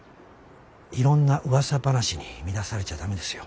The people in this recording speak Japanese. いろんなうわさ話に乱されちゃ駄目ですよ。